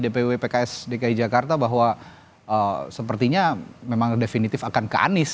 dpw pks dki jakarta bahwa sepertinya memang definitif akan ke anies